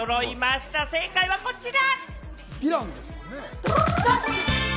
正解はこちら！